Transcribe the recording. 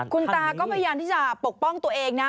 คุณตาก็พยายามที่จะปกป้องตัวเองนะ